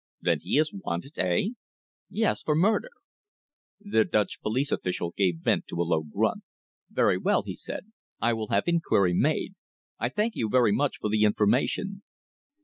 "Then he is wanted eh?" "Yes for murder." The Dutch police official gave vent to a low grunt. "Very well," he said. "I will have inquiry made. I thank you very much for the information."